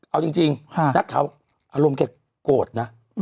เอาจริงนักข่าวอารมณ์แกโกรธนะ